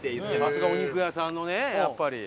さすがお肉屋さんのねやっぱり。